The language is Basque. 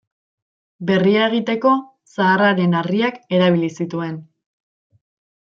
Berria egiteko zaharraren harriak erabili zituen.